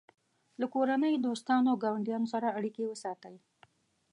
له کورنۍ، دوستانو او ګاونډیانو سره اړیکې وساتئ.